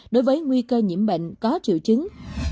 đối với nguy cơ nhiễm bệnh có triệu chứng